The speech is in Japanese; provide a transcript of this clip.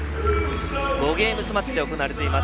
５ゲームスマッチで行われています